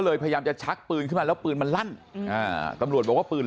พยายามจะชักปืนขึ้นมาแล้วปืนมันลั่นตำรวจบอกว่าปืน